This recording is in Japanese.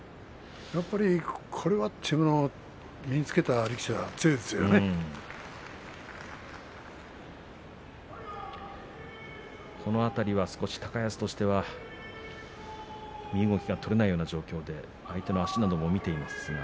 やっぱり、これはというのを身につけた力士はこの辺りは高安としては身動きが取れないような状況で相手の足なども見ていますが。